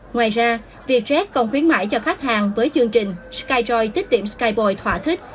ngoài ra vietjet còn khuyến mại cho khách hàng với chương trình skyjoy tích điểm skyboy thỏa thích